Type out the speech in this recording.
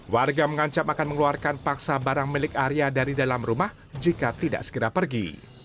warga mengancam akan mengeluarkan paksa barang milik arya dari dalam rumah jika tidak segera pergi